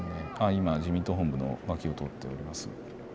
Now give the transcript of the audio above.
今、自民党本部の脇を通っております。